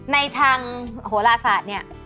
ในทางโหลาศาสตร์เนี่ย